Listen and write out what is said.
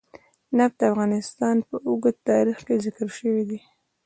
نفت د افغانستان په اوږده تاریخ کې ذکر شوی دی.